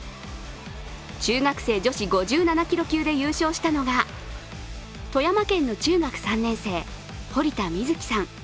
中学生女子５７キロ級で優勝したのが富山県の中学３年生、堀田みず希さん。